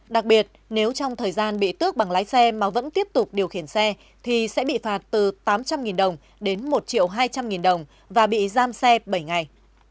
đặc biệt nếu trong thời gian bị tước bằng lái xe mà vẫn tiếp tục điều khiển xe thì sẽ bị phạt từ tám trăm linh đồng đến một triệu hai trăm linh đồng và bị giam xe bảy ngày